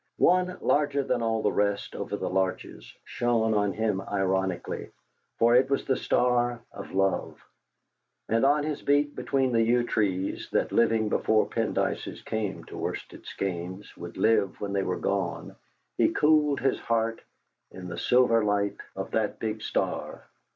One, larger than all the rest, over the larches, shone on him ironically, for it was the star of love. And on his beat between the yew trees that, living before Pendyces came to Worsted Skeynes, would live when they were gone, he cooled his heart in the silver light of that big star.